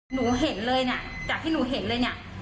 หนูเห็นเลยเนี่ยจากที่หนูเห็นเลยเนี่ย